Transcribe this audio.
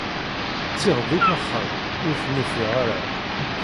Ttiɣ-d akk axxam, ur ten-ufiɣ ara.